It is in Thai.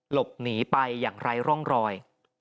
หลบหนีไปอย่างไร้ร่องรอย